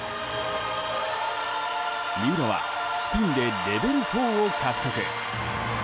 三浦はスピンでレベル４を獲得。